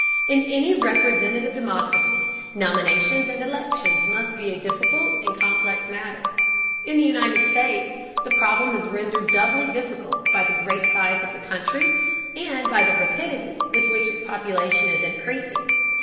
In any representative democracy nominations and elections must be a difficult and complex matter; in the United States the problem is rendered doubly difficult by the great size of the country, and by the rapidity with which its population is increasing.